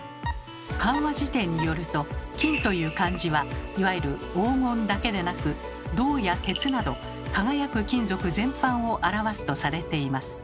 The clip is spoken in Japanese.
漢和辞典によると「金」という漢字はいわゆる黄金だけでなく銅や鉄など輝く金属全般を表すとされています。